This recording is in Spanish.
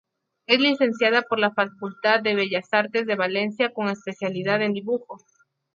Es licenciada por la facultad de Bellas Artes de Valencia con especialidad en dibujo.